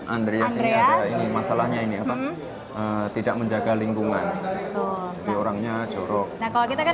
andreas ini masalahnya ini tidak menjaga lingkungan orangnya jorok kalau kita kan